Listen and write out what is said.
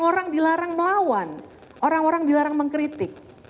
orang dilarang melawan orang orang dilarang mengkritik